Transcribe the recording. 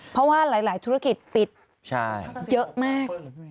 เพราะว่าหลายธุรกิจปิดเยอะมาก